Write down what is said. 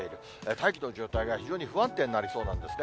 大気の状態が非常に不安定になりそうなんですね。